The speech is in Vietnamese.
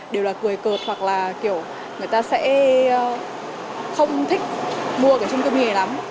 đều là cười cợt hoặc là kiểu người ta sẽ không thích mua cái chung cư mini này lắm